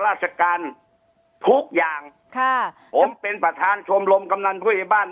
ราชการทุกอย่างค่ะผมเป็นประธานชมรมกำนันผู้ใหญ่บ้าน